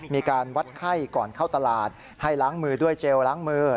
มีการวัดไข้ก่อนเข้าตลาดให้ล้างมือด้วยเจลล้างมือ